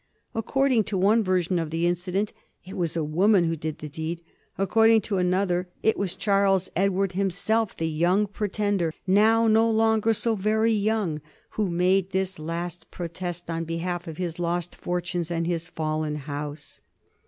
According to one version of the incident, it was a woman who did the deed; according to another it was Charles Edward himself, the Young Pretender now no longer so very young who made this last protest on behalf of his lost fortunes and his fallen House.